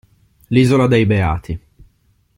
L'isola dei Beati.